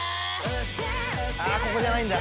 ここじゃないんだ。